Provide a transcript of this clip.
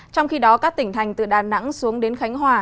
trong khi đó các tỉnh thành từ đà nẵng xuống đến khánh hòa